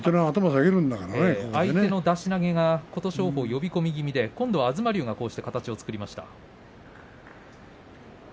相手の、出し投げが琴勝峰、呼び込み気味で今度は東龍が頭をつけています。